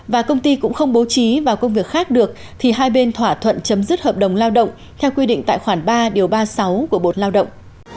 và công ty cũng không bố trí vào công việc khác được thì hai bên thỏa thuận chấm dứt hợp đồng lao động theo quy định tại khoản ba điều ba mươi sáu của bộ lao động